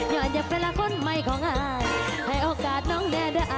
อดอยากเป็นละคนใหม่ของอายให้โอกาสน้องแด้ด้วย